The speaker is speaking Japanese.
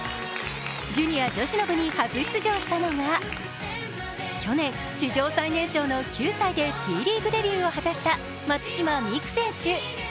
ジュニア女子の部に初出場したのが去年、史上最年少の９歳でＴリーグデビューを果たした松島美空選手。